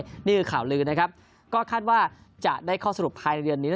นี่คือข่าวลือนะครับก็คาดว่าจะได้ข้อสรุปภายในเดือนนี้